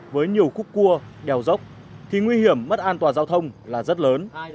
với nhiều khúc cua đèo dốc thì nguy hiểm mất an toàn giao thông là rất lớn